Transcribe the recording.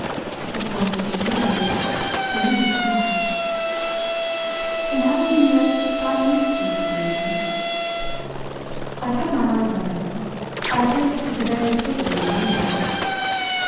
"Of course if she is it is smash!" "And haven't you yet got used to its being?" I kept my eyes on her; I traced the buried figure in the ruins.